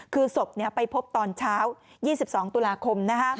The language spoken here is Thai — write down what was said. คือศพไปพบตอนเช้า๒๒ตุลาคม